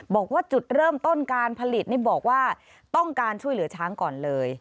บอกว่าจุดเริ่มต้นการผลิตนี่บอกว่าต้องการช่วยเหลือช้างก่อนเลย